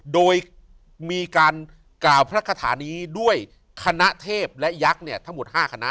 โดยมีการกล่าวพระคาถานี้ด้วยคณะเทพและยักษ์เนี่ยทั้งหมด๕คณะ